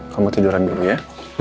kamu tidur aja dulu ya